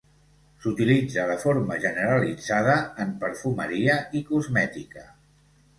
S'utilitza de forma generalitzada en perfumeria i cosmètica.